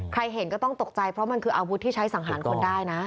เห็นก็ต้องตกใจเพราะมันคืออาวุธที่ใช้สังหารคนได้นะ